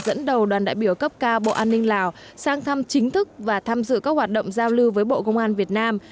dẫn đầu đoàn đại biểu cấp cao bộ an ninh lào sang thăm chính thức và tham dự các hoạt động giao lưu với bộ công an việt nam